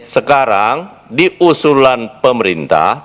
sekarang di usulan pemerintah